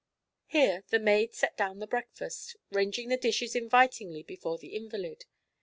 Here the maid set down the breakfast, ranging the dishes invitingly before the invalid.